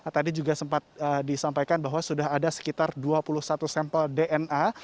tadi juga sempat disampaikan bahwa sudah ada sekitar dua puluh satu sampel dna